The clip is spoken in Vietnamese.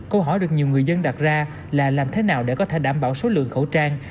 câu hỏi được nhiều người dân đặt ra là làm thế nào để có thể đảm bảo số lượng khẩu trang